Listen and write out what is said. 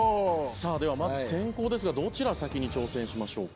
さあではまず先攻ですがどちら先に挑戦しましょうか？